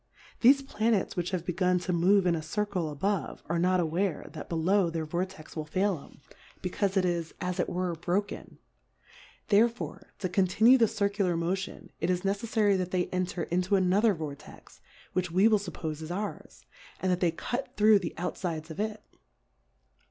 Thefe Planets which have begun to move in a Circle above, are not aware, that belaw their Vortex will fail 'em, becaufe it is H 4 as 1 5* 2. Difcourfes on the as it were broken. Therefore, to conti nue the Circular Motion, it is neceffary that they enter into another Vortex, which we will fuppofe is ours, and that they cut through the outfides of it.